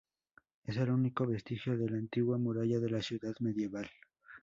Es el único vestigio de la antigua muralla de la ciudad medieval.